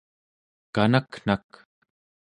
kanaknak